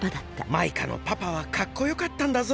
マイカのパパはかっこよかったんだぞ。